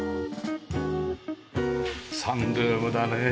サンルームだね。